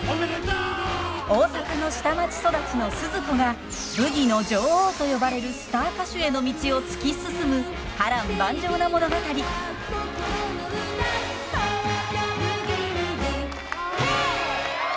大阪の下町育ちのスズ子がブギの女王と呼ばれるスター歌手への道を突き進む波乱万丈な物語。へいっ！